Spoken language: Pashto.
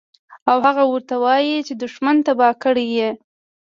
او هغه ورته وائي چې دشمن تباه کړے ئې